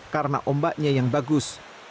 yang memiliki pembaknya yang bagus